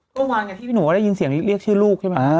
เมื่อวานที่พี่หนูได้ยินเสียงเรียกชื่อลูกใช่ไหม